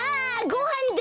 ごはんだ！